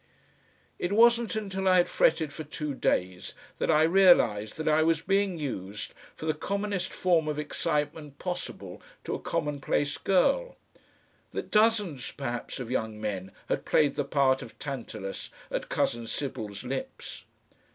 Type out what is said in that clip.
It wasn't until I had fretted for two days that I realised that I was being used for the commonest form of excitement possible to a commonplace girl; that dozens perhaps of young men had played the part of Tantalus at cousin Sybil's lips.